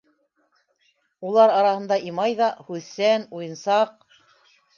Улар араһында Имай ҙа һүҙсән, уйынсаҡ.